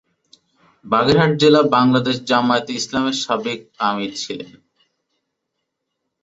বাগেরহাট জেলা বাংলাদেশ জামায়াতে ইসলামীর সাবেক আমীর ছিলেন।